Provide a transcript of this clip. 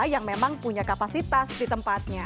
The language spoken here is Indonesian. yang memang punya kapasitas di tempatnya